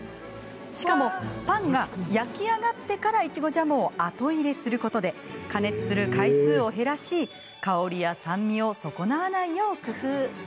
しかも、パンが焼き上がってからいちごジャムを後入れすることで加熱する回数を減らし香りや酸味を損なわないよう工夫。